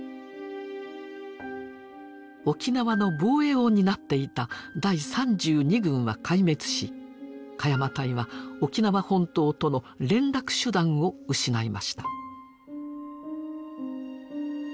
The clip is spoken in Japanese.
沖縄の防衛を担っていた第３２軍は壊滅し鹿山隊は沖縄本島との連絡手段を失いました。